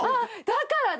だからだ。